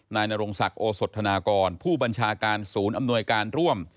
นายนรงศักดิ์โอสธนากรผู้บัญชาการศูนย์อำนวยการร่วม